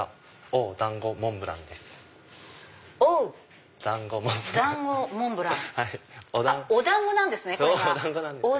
お団子なんです。